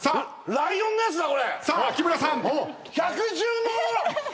・ライオンのやつだろ？